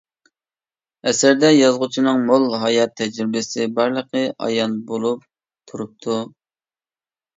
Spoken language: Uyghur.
ئەسەردە يازغۇچىنىڭ مول ھايات تەجرىبىسى بارلىقى ئايان بولۇپ تۇرۇپتۇ.